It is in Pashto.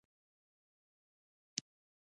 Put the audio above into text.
شین چای له څه سره خوړل کیږي؟